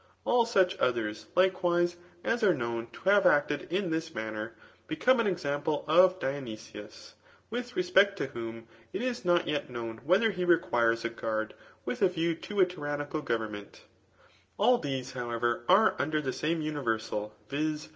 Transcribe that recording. All such others, likewise, as a» known £to have acted m this manner] become an exaaip pie of Dionysius, with respect to whom it is not yet known whedier he requinss a guard with a view to a tyiBuical govemm^t. All these, however, are under the same universal, vix.